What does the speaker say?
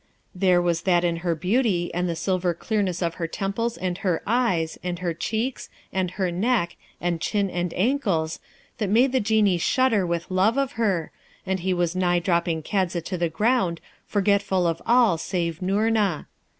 There was that in her beauty and the silver clearness of her temples and her eyes, and her cheeks, and her neck, and chin and ankles, that made the Genie shudder with love of her, and he was nigh dropping Kadza to the ground, forgetful of all save Noorna.